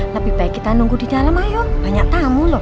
lebih baik kita nunggu di dalam ayo banyak tamu loh